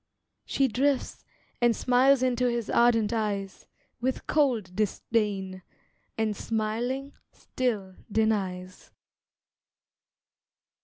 She drifts, and smiles into his ardent eyes, With cold disdain, and smiling still denies.